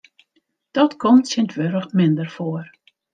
Dat komt tsjintwurdich minder foar.